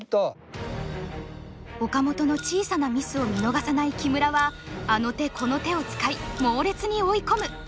岡本の小さなミスを見逃さない木村はあの手この手を使い猛烈に追い込む。